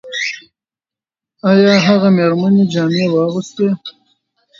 ایا هغه مېرمنې جامې واغوستې؟